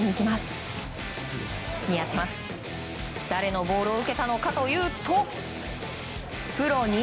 誰のボールを受けたのかというとプロ